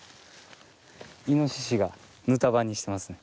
イノシシがぬた場にしてますね。